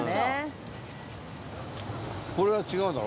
これは違うだろ？